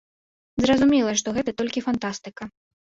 Зразумела, што гэта толькі фантастыка.